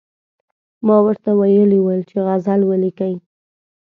ما ورته ویلي ول چې غزل ولیکئ.